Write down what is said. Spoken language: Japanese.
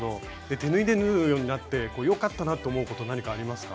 手縫いで縫うようになって良かったなって思うこと何かありますか？